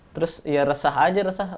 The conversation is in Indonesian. terus ya resah aja resah